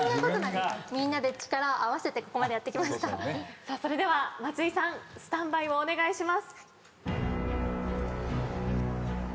さあそれでは松井さんスタンバイをお願いします。